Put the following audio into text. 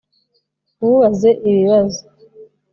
Ntubaze ibibazo